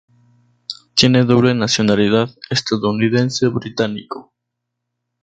Tiene doble nacionalidad estadounidense-británico.